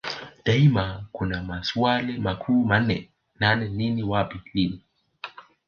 Daima kuna maswali makuu manne Nani nini wapi lini